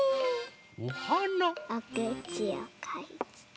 おくちをかいて。